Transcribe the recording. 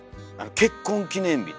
結婚記念日と。